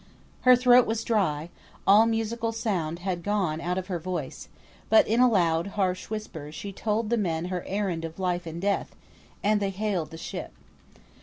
Her throat was dry; all musical sound had gone out of her voice; but in a loud harsh whisper she told the men her errand of life and death, and they hailed the ship.